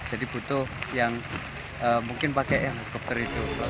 jadi butuh yang mungkin pakai helikopter itu